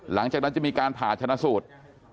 หลังจากนั้นจะมีการผ่าชนะสูตร